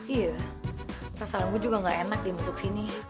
iya perasaan gue juga gak enak dimasuk sini